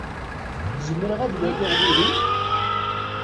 Zemreɣ ad waliɣ wihin?